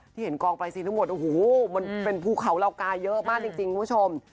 เห็นกองปลายซีนทั้งหมดโอ้โหมันเป็นภูเขาเหล่ากาเยอะมากจริงคุณผู้ชม